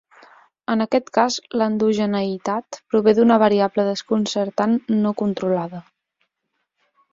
En aquest cas, l'endogeneïtat prové d'una variable desconcertant no controlada.